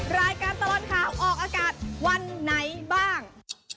รายการตลอดข่าวออกอากาศวันไหนบ้าง